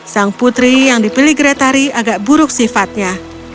sang putri yang dipilih gretari agak buruk sifatnya